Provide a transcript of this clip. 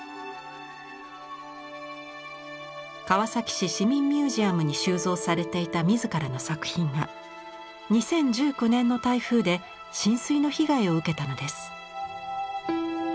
川崎市市民ミュージアムに収蔵されていた自らの作品が２０１９年の台風で浸水の被害を受けたのです。